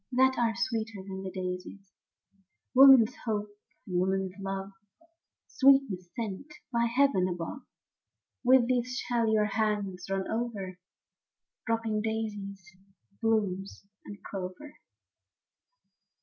That are sweeter than the daisies ; Woman's hopes and woman's love, Sweetness sent by heaven above, — With these shall your hands run over. Dropping daisy blooms and clover.